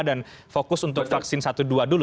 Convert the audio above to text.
dan fokus untuk vaksin satu dua dulu